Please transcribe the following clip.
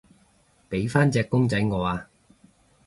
畀返隻公仔我啊